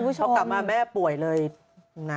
พอกลับมาแม่ป่วยเลยนะ